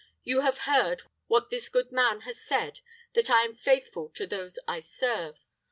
You have heard what this good man has said, that I am faithful to those I serve.